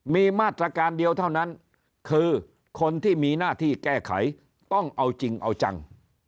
มีมาตรการเดียวเท่านั้นคือคนที่มีหน้าที่แก้ไขต้องเอาจริงเอาจัง